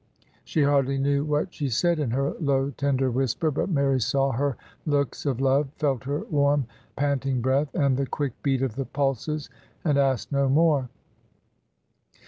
She hardly knew what she said in her low, tender whisper; but Mary saw her looks of love, felt her warm, pant ing breath, and the quick beat of the pulses, and asked no more.